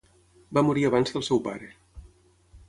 Va morir abans que el seu pare.